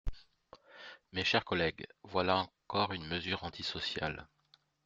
Mes chers collègues, voilà encore une mesure antisociale.